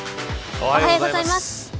おはようございます。